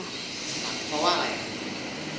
เพราะว่าอะไร